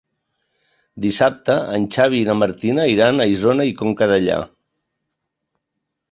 Dissabte en Xavi i na Martina iran a Isona i Conca Dellà.